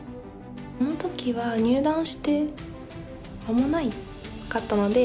この時は入段して間もなかったので。